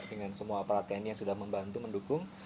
dengan semua aparat tni yang sudah membantu mendukung